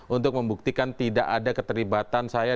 untuk membuktikan tidak ada keterlibatan saya